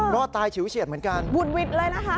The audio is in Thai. รอดตายชิวเฉียดเหมือนกัน